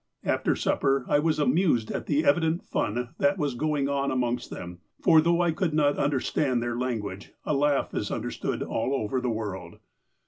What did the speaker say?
"After supper, I was amused at the evident fun that was going on amongst them, for, though I could not understand their language, a laugh is understood all over the world.